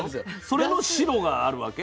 それの白があるわけ？